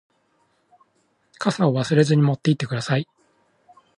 傘を忘れずに持って行ってください。